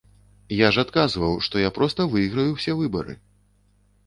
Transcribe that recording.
Я ж адказваў, што я проста выйграю ўсе выбары.